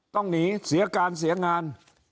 ต้องหนีเสียการเสียงาน